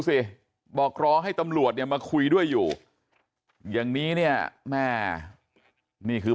สิบอกรอให้ตำรวจเนี่ยมาคุยด้วยอยู่อย่างนี้เนี่ยแม่นี่คือ